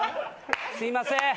すいません。